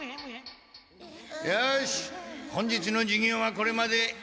よし本日の授業はこれまで。